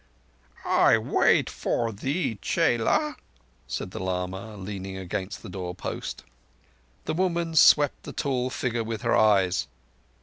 "I wait for thee, chela," said the lama, leaning against the door post. The woman swept the tall figure with her eyes.